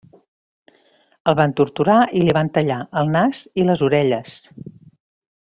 El van torturar i li van tallar el nas i les orelles.